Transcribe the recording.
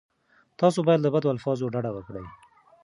تاسې باید له بدو الفاظو ډډه وکړئ.